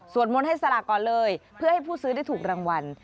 มนต์ให้สลากก่อนเลยเพื่อให้ผู้ซื้อได้ถูกรางวัล